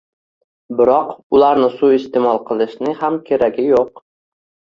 biroq ularni suiiste’mol qilishning ham keragi yo‘q.